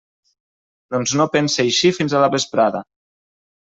Doncs no pense eixir fins a la vesprada.